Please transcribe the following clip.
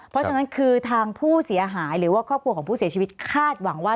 เพราะฉะนั้นคือทางผู้เสียหายหรือว่าครอบครัวของผู้เสียชีวิตคาดหวังว่า